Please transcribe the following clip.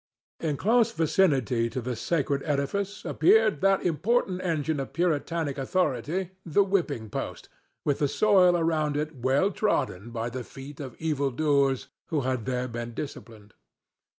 In close vicinity to the sacred edifice appeared that important engine of Puritanic authority the whipping post, with the soil around it well trodden by the feet of evil doers who had there been disciplined.